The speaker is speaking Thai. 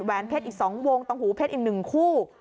เพชรอีก๒วงตรงหูเพชรอีก๑คู่